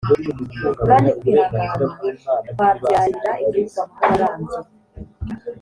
kandi kwihangana kwabyarira igihugu amahoro arambye